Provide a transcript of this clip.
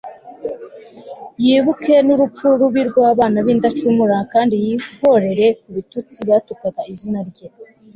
yibuke n'urupfu rubi rw'abana b'indacumura kandi yihorere ku bitutsi batukaga izina rye